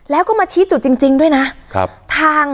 แล้วก็ไปซ่อนไว้ในคานหลังคาของโรงรถอีกทีนึง